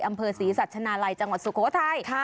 อำเภอศรีสัชนาลัยจังหวัดสุโขทัย